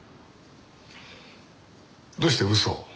どうして嘘を？